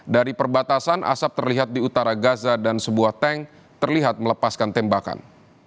dari perbatasan asap terlihat di utara gaza dan sebuah tank terlihat melepaskan tembakan